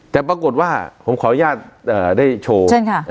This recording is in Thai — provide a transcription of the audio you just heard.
แต่ปรากฏว่าผมขออนุญาตได้โชว์